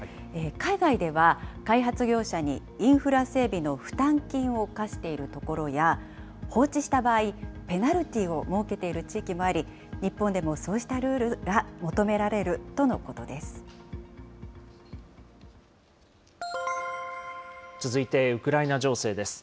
海外では、開発業者にインフラ整備の負担金を課しているところや、放置した場合、ペナルティーを設けている地域もあり、日本でもそうしたル続いてウクライナ情勢です。